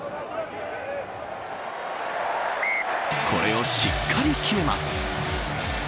これをしっかり決めます。